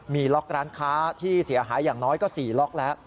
มีล็อกร้านค้าที่เสียหายอย่างน้อยก็๔ล็อกแล้ว